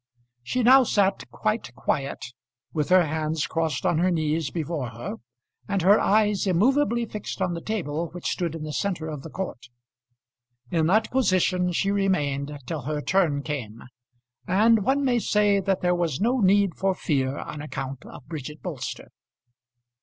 She now sat quite quiet, with her hands crossed on her knees before her, and her eyes immovably fixed on the table which stood in the centre of the court. In that position she remained till her turn came; and one may say that there was no need for fear on account of Bridget Bolster.